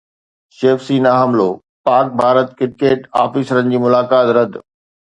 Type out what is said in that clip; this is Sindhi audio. شيو سينا جو حملو، پاڪ-ڀارت ڪرڪيٽ آفيسرن جي ملاقات رد